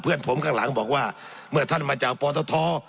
เพื่อนผมข้างหลังบอกว่าเมื่อท่านมาจากปตท